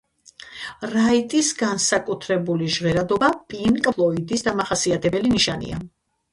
რაიტის განსაკუთრებული ჟღერადობა პინკ ფლოიდის დამახასიათებელი ნიშანია.